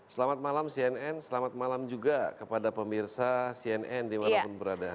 selamat malam cnn selamat malam juga kepada pemirsa cnn dimanapun berada